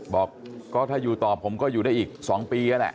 บอกก็ถ้าอยู่ต่อผมก็อยู่ได้อีก๒ปีนั่นแหละ